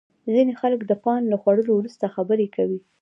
ځینې خلک د پان له خوړلو وروسته خبرې کوي.